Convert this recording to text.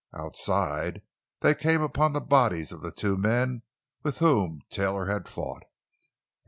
Outside they came upon the bodies of the two men with whom Taylor had fought.